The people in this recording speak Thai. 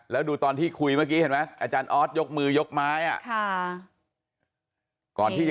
แล้วดูตอนที่คุยเมื่อกี้เห็นไหมอาจารย์ออสยกมือยกไม้อ่ะค่ะ